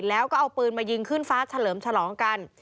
แล้วก็เอาปืนมายิงขึ้นฟ้าเฉลิมฉลองกัน